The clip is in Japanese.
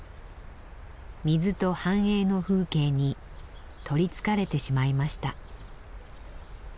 「水と反映の風景に取りつかれてしまいました。